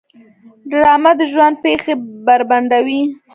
ډرامه د ژوند پېښې بربنډوي